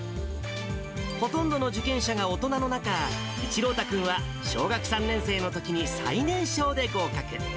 ほとんどの受験者が大人の中、一朗太君は小学３年生のときに最年少で合格。